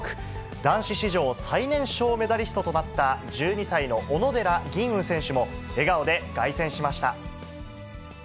男子史上最年少メダリストとなった１２歳の小野寺吟雲選手も笑顔で凱旋しました。